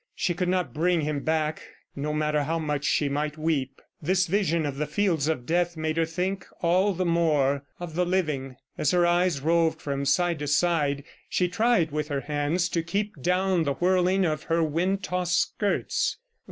She could not bring him back, no matter how much she might weep. This vision of the fields of death made her think all the more of the living. As her eyes roved from side to side, she tried, with her hands, to keep down the whirling of her wind tossed skirts.